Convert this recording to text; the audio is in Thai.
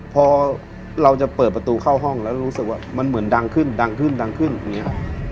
พอเราจะเปิดประตูเข้าห้องแล้วรู้สึกว่ามันเหมือนดังขึ้นดังขึ้นดังขึ้นอย่างนี้